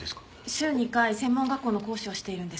週２回専門学校の講師をしているんです。